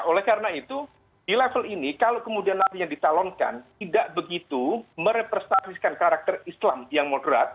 oleh karena itu di level ini kalau kemudian nantinya dicalonkan tidak begitu merepresentasikan karakter islam yang moderat